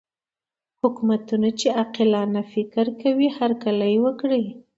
حکومتونه چې عاقلانه فکر کوي هرکلی وکړي.